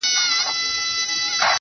o زما د زړه د كـور ډېـوې خلگ خبــري كوي.